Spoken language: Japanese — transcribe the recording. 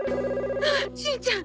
あっしんちゃん